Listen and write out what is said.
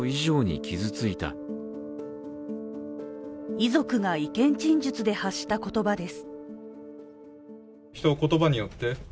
遺族が意見陳述で発した言葉です。